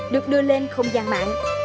được đưa lên không gian mạng